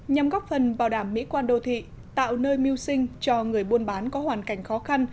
nhằm góp phần bảo đảm mỹ quan đô thị tạo nơi miêu sinh cho người buôn bán có hoàn cảnh khó khăn